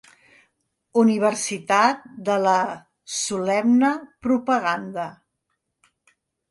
Universitat de la Solemne Propaganda.